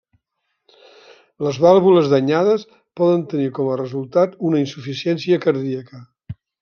Les vàlvules danyades poden tenir com a resultat una insuficiència cardíaca.